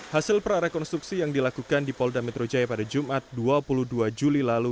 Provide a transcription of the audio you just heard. hasil prarekonstruksi yang dilakukan di polda metro jaya pada jumat dua puluh dua juli lalu